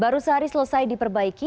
baru sehari selesai diperbaiki